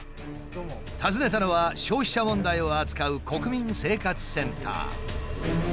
訪ねたのは消費者問題を扱う国民生活センター。